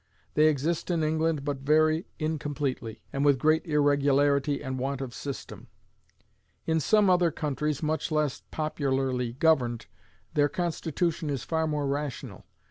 They exist in England but very incompletely, and with great irregularity and want of system; in some other countries much less popularly governed, their constitution is far more rational.